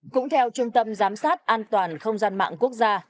cũng theo trung tâm giám sát an toàn không gian mạng quốc gia